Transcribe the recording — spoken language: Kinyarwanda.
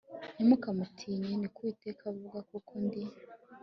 ntimukamutinye ni ko Uwiteka avuga kuko ndi